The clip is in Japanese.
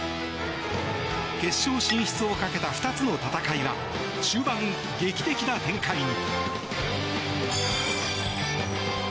決勝進出をかけた２つの戦いは終盤、劇的な展開に。